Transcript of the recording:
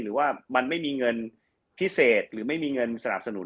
หรือว่ามันไม่มีเงินพิเศษหรือไม่มีเงินสนับสนุน